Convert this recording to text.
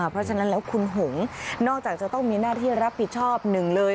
เพราะฉะนั้นแล้วคุณหงนอกจากจะต้องมีหน้าที่รับผิดชอบหนึ่งเลย